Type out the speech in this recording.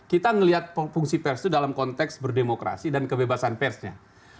kita melihat fungsi pers itu dalam konteks berdemokrasi dan kebebasan persnya